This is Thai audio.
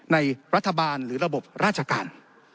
ในรัฐบาลหรือระบบราชการ